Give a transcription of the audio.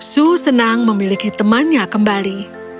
su senang memiliki temannya kembali